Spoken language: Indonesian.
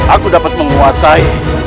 aku dapat menguasai